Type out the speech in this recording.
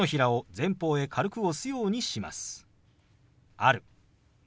「ある」。